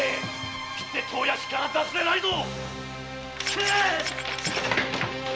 斬って当屋敷から出すでないぞ！